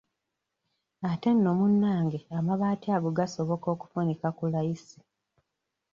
Ate nno munnange amabaati ago gasoboka okufunika ku layisi.